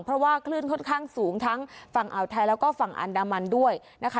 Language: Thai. เพราะว่าคลื่นค่อนข้างสูงทั้งฝั่งอ่าวไทยแล้วก็ฝั่งอันดามันด้วยนะคะ